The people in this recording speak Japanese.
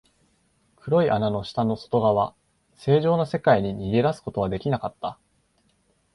黒い穴の下の外側、正常な世界に逃げ出すことはできなかった。